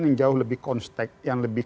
yang jauh lebih konstect yang lebih